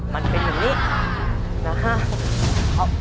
มันเป็นแบบนี้นะครับ